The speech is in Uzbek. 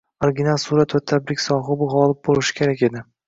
Original surat va tabrik sohibi gʻolib boʻlishi kerak edi.